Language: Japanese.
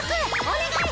お願い！